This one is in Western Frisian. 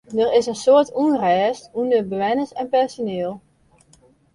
Der is in soad ûnrêst ûnder bewenners en personiel.